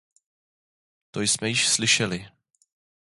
To jsme již slyšeli.